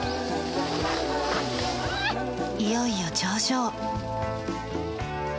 いよいよ頂上。